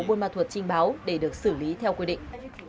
buôn ma thuột trinh báo để được xử lý theo quy định